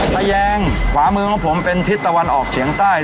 แยงขวามือของผมเป็นทิศตะวันออกเฉียงใต้